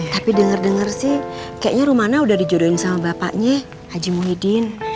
tapi denger denger sih kayaknya rumana udah dijodohin sama bapaknya haji muhyiddin